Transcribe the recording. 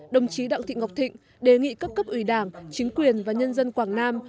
đồng chí đặng thị ngọc thịnh đề nghị các cấp ủy đảng chính quyền và nhân dân quảng nam